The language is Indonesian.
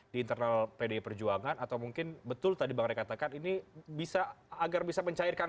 di internal pd perjuangan atau mungkin betul tadi mereka tekan ini bisa agar bisa mencairkan